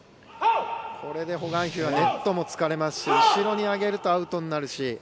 これでホ・グァンヒはネットも突かれますし後ろに上げるとアウトになるし。